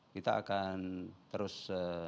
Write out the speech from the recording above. kita akan terus